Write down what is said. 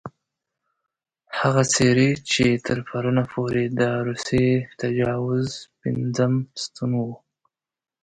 هغه څېرې چې تر پرونه پورې د روسي تجاوز پېنځم ستون وو.